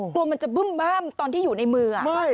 กลัวมันจะบึ้มบ้ามตอนที่อยู่ในมือ